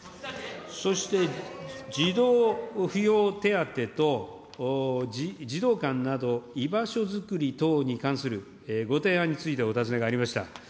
そして、児童扶養手当と、児童館など居場所作り等に関するご提案についてお尋ねがありました。